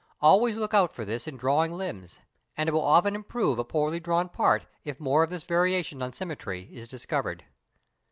Always look out for this in drawing limbs, and it will often improve a poorly drawn part if more of this variation on symmetry is discovered.